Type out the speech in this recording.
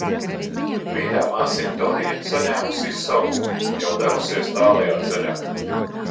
Bet mīļā māsiņa Tonija, saņēmusi izsaukumu, jau devusies tālajā ceļā.